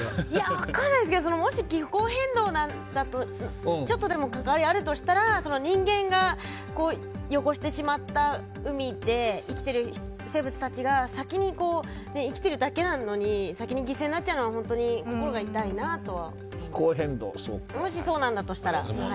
分からないですけどもし気候変動などにちょっとでも関わりあるとしたら人間が汚してしまった海で生きてる生物たちが生きてるだけなのに先に犠牲になっちゃうのは心が痛いな、とは。